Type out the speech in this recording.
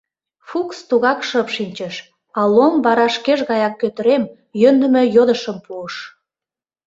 Фукс тугак шып шинчыш, а Лом вара шкеж гаяк кӧтырем, йӧндымӧ йодышым пуыш: